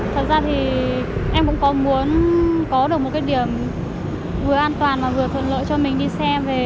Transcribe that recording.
thật ra thì em cũng có muốn có được một cái điểm vừa an toàn và vừa thuận lợi cho mình đi xe về